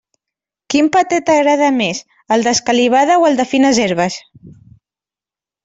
Quin paté t'agrada més, el d'escalivada o el de fines herbes?